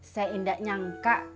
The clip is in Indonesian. saya tidak nyangka